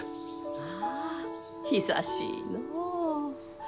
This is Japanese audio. ああ久しいのう。